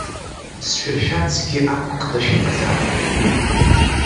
Сшәыршәарцгьы ақәкны шәыҟазаап!